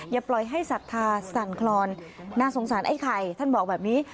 อย่าปล่อยให้ศรัทธาสั่นคลอนน่าสงสารไอ้ไข่ท่านบอกแบบนี้